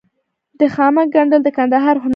د خامک ګنډل د کندهار هنر دی.